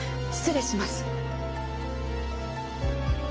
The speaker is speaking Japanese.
失礼します。